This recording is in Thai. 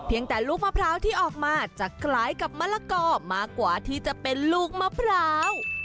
แต่ลูกมะพร้าวที่ออกมาจะคล้ายกับมะละกอมากกว่าที่จะเป็นลูกมะพร้าว